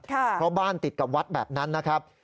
เพราะบ้านติดกับวัดแบบนั้นนะครับ